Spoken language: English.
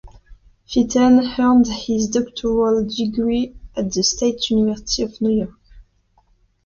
Fenton earned his doctoral degree at the State University of New York.